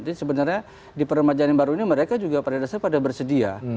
jadi sebenarnya di permajuan yang baru ini mereka juga pada dasarnya pada bersedia